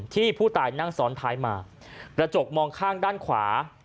ผู้ตายนั่งซ้อนท้ายมากระจกมองข้างด้านขวา